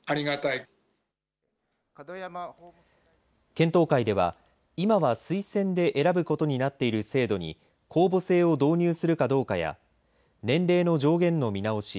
検討会では今は推薦で選ぶことになっている制度に公募制を導入するかどうかや年齢の条件の見直し